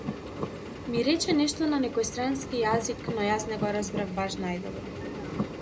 Ми рече нешто на некој странски јазик, но јас не го разбирав баш најдобро.